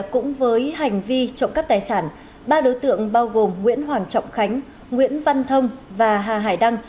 cũng với hành vi trộm cắp tài sản ba đối tượng bao gồm nguyễn hoàng trọng khánh nguyễn văn thông và hà hải đăng